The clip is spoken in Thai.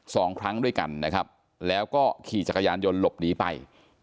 สองครั้งด้วยกันนะครับแล้วก็ขี่จักรยานยนต์หลบหนีไป